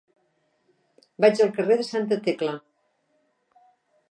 Vaig al carrer de Santa Tecla.